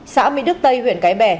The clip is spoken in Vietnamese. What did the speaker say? xã mỹ đức tây huyện cái bè